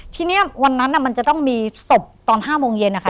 ทีนี้วันนั้นมันจะต้องมีศพตอน๕โมงเย็นนะคะ